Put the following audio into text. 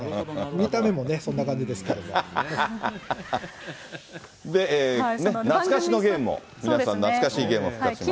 見た目もね、で、懐かしのゲームも、皆さん、懐かしいゲームも復活します。